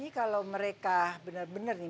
ini kalau mereka bener bener nih